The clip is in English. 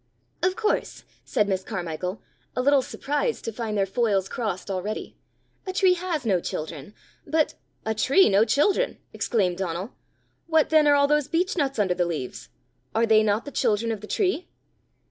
"Of course," said Miss Carmichael, a little surprised to find their foils crossed already, "a tree has no children! but " "A tree no children!" exclaimed Donal. "What then are all those beech nuts under the leaves? Are they not the children of the tree?"